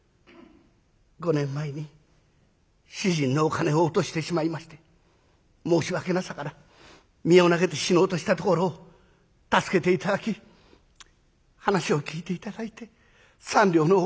５年前に主人のお金を落としてしまいまして申し訳なさから身を投げて死のうとしたところを助けて頂き話を聞いて頂いて３両のお金まで恵んで頂きました。